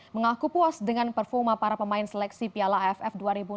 mengaku puas dengan performa para pemain seleksi piala aff dua ribu enam belas